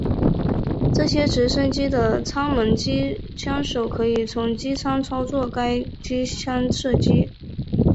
这些直升机的舱门机枪手可从机舱操作该机枪射击。